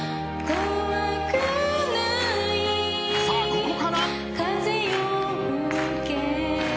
さあここから。